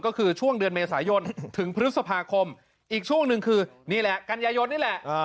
ก็คือช่วงเดือนเมษายนถึงพฤษภาคมอีกช่วงหนึ่งคือนี่แหละกันยายนนี่แหละ